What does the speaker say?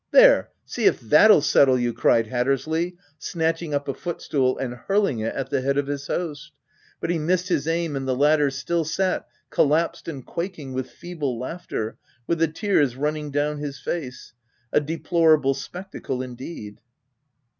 — There ! see if that'll settle you \' J cried Hattersley, snatching up a footstool and hurling it at the head of his host ; but he missed his aim and the latter still sat collapsed and quaking with feeble laughter, with the tears running down his face ; a deplorable spectacle indeed.